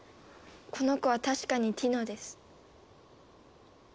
この子は確かにティノです。